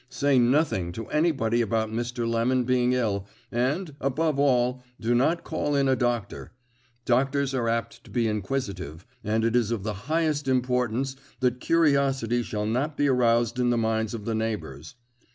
Say nothing to anybody about Mr. Lemon being ill, and, above all, do not call in a doctor. Doctors are apt to be inquisitive, and it is of the highest importance that curiosity shall not be aroused in the minds of the neighbours.